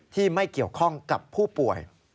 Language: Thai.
ที่ไม่เกี่ยวข้องกับผู้ป่วย